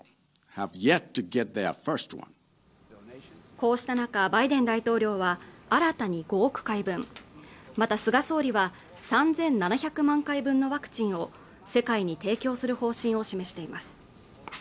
こうした中バイデン大統領は新たに５億回分また菅総理は３７００万回分のワクチンを世界に提供する方針を示しています